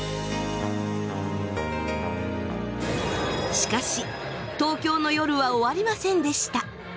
しかし東京の夜は終わりませんでした。